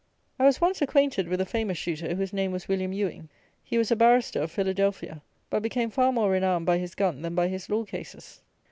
I was once acquainted with a famous shooter whose name was William Ewing. He was a barrister of Philadelphia, but became far more renowned by his gun than by his law cases.